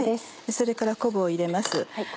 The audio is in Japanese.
それから昆布を入れます。